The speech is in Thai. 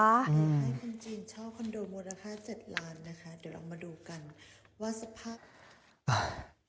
ให้คุณจีนชอบคอนโดมูลค่า๗ล้านนะคะเดี๋ยวเรามาดูกันว่าสภาพ